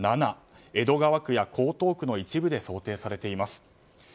江戸川区や江東区の一部で想定されています。